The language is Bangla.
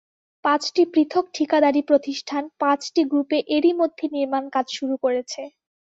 পাঁচটি পৃথক ঠিকাদারি প্রতিষ্ঠান পাঁচটি গ্রুপে এরই মধ্যে নির্মাণকাজ শুরু করেছে।